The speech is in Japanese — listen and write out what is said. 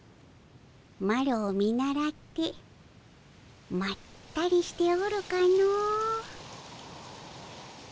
マロを見習ってまったりしておるかの。